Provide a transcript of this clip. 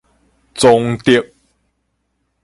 崇德